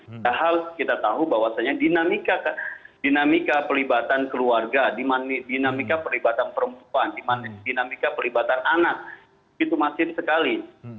padahal kita tahu bahwasannya dinamika pelibatan keluarga dinamika pelibatan perempuan dinamika pelibatan anak itu masif sekali